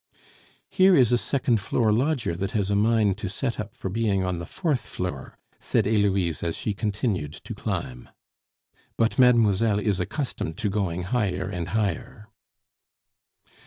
"Here is a second floor lodger that has a mind to set up for being on the fourth floor," said Heloise as she continued to climb. "But mademoiselle is accustomed to going higher and higher."